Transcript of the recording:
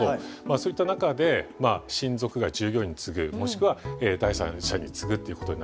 そういった中で親族以外従業員に継ぐもしくは第三者に継ぐっていうことになるんですね。